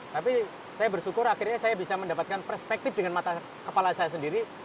tapi saya bersyukur akhirnya saya bisa mendapatkan perspektif dengan mata kepala saya sendiri